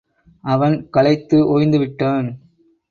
அவன் களைத்து ஒய்ந்துவிட்டான்.